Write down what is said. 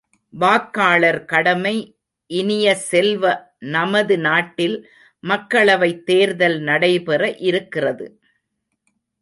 வாக்காளர் கடமை இனிய செல்வ, நமது நாட்டில் மக்களவைத் தேர்தல் நடைபெற இருக்கிறது.